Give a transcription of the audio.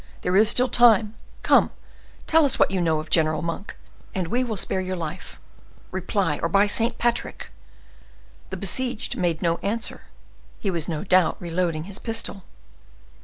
There is still time—come, tell us what you know of General Monk, and we will spare your life. Reply, or by Saint Patrick—" The besieged made no answer; he was no doubt reloading his pistol.